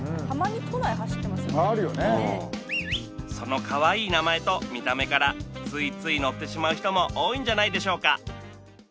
たまに都内走ってますよねあるよねそのかわいい名前と見た目からついつい乗ってしまう人も多いんじゃないでしょうか